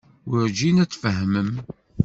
Werǧin ad tfehmem.